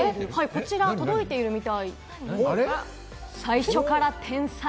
こちら届いてるみたいです。